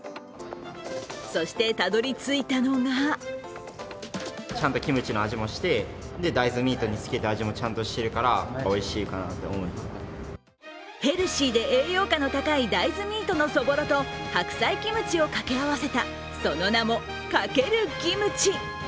そしてたどりついたのがヘルシーで栄養価の高い大豆ミートのそぼろと白菜キムチをかけ合わせたその名も×キムチ。